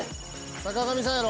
坂上さんやろ。